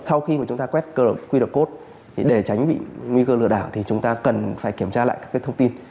sau khi mà chúng ta quét qr code để tránh bị nguy cơ lừa đảo thì chúng ta cần phải kiểm tra lại các thông tin